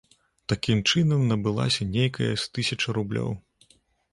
Такім чынам набылася нейкая з тысяча рублёў.